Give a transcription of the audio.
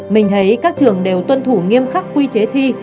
mình thấy các trường đều tuân thủ nghiêm khắc quy chế thi